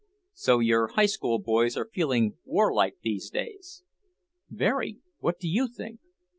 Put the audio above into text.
"So your High School boys are feeling war like these days?" "Very. What do you think?"